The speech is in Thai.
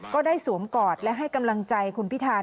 สวมกอดและให้กำลังใจคุณพิธาน